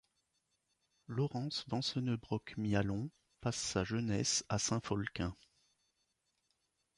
Laurence Vanceunebrock-Mialon passe sa jeunesse à Saint-Folquin.